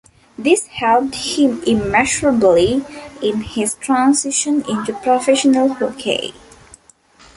This helped him immeasurably in his transition into professional hockey.